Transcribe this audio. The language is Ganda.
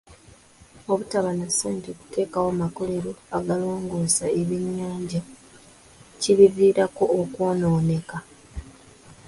Obutaba na ssente kuteekawo makolero agalongoosa ebyennyanja kibiviirako okwonooneka.